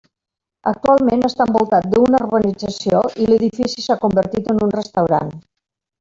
Actualment està envoltat d'una urbanització i l'edifici s'ha convertit en un restaurant.